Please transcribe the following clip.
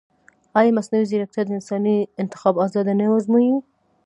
ایا مصنوعي ځیرکتیا د انساني انتخاب ازادي نه ازموي؟